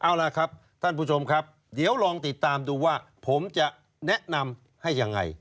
เอาล่ะครับท่านผู้ชมครับเดี๋ยวลองติดตามดูว่าผมจะแนะนำให้ยังไง